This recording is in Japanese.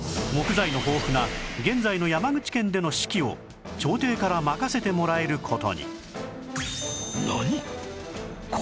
木材の豊富な現在の山口県での指揮を朝廷から任せてもらえる事に